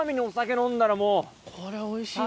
これおいしいな。